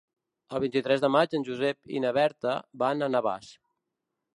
El vint-i-tres de maig en Josep i na Berta van a Navàs.